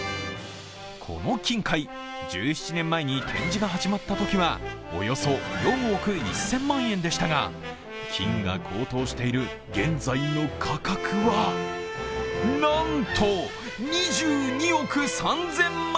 この金塊、１７年前に展示が始まったときはおよそ４億１０００万円でしたが金が高騰している現在の価格は、なんと２２億３０００万円。